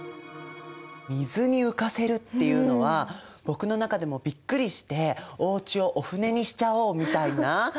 水に浮かせるっていうのは僕の中でもびっくりしておうちをお船にしちゃおうみたいな？